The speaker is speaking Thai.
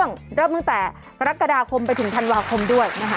ใช้เมียได้ตลอด